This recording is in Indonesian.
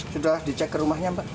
sudah dicek ke rumahnya mbak